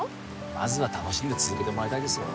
まずは楽しんで続けてもらいたいですよ